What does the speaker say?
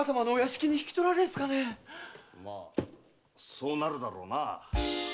・そうなるだろうな。